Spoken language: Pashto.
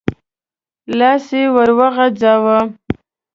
لاس يې ور وغځاوه.